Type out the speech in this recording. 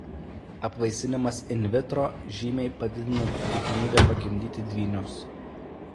Apvaisinimas in vitro žymiai padidina tikimybę pagimdyti dvynius.